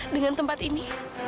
dengan tempat ini